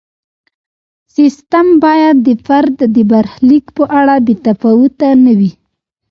سیستم باید د فرد د برخلیک په اړه بې تفاوت نه وي.